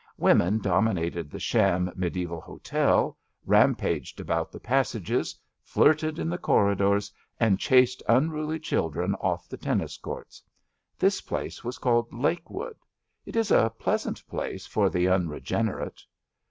Women dominated the sham mediaeval hotel, rampaged \about the passages, flirted in the corridors and <jhased unruly children off the tennis courts. This place was called Lakewood. It is a pleasant place for the unregenerate.